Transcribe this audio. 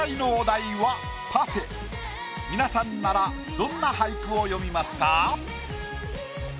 皆さんならどんな俳句を詠みますか？